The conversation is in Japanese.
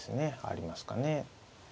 ありますかね。